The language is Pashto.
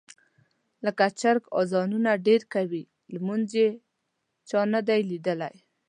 لکه چرګ اذانونه ډېر کوي، لمونځ یې هېچا نه دي لیدلی.